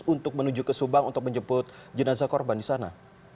untuk menuju ke subang untuk menjemput jenazah korban di sana